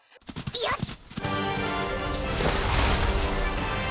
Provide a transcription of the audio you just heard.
よし！